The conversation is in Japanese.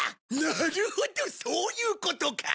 なるほどそういうことか。